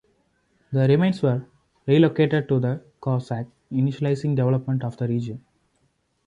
The remains were relocated to the Cossacks, initiating development of the region.